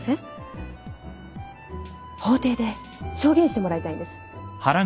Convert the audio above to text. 法廷で証言してもらいたいんです。